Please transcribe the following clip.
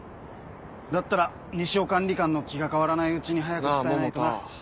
だったら西尾管理官の気が変わらないうちに早く伝えないとな。なぁ